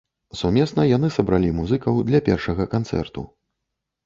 Сумесна яны сабралі музыкаў для першага канцэрту.